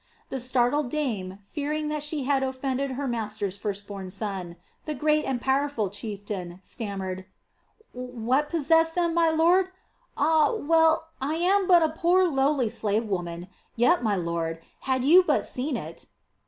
The startled dame, fearing that she had offended her master's first born son, the great and powerful chieftain, stammered: "What possessed them, my lord? Ah, well I am but a poor lowly slave woman; yet, my lord, had you but seen it....